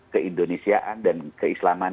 keindonesiaan dan keislaman